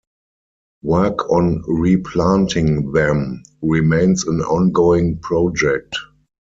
Work on replanting them remains an ongoing project.